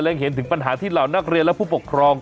เห็นถึงปัญหาที่เหล่านักเรียนและผู้ปกครอง